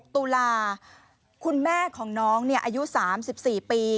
๑๖ตุลาคุณแม่ของน้องเนี่ยอายุ๓๔ปี